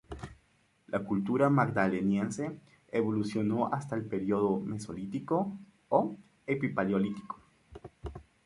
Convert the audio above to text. La cultura magdaleniense evolucionó hacia el periodo mesolítico o epipaleolítico.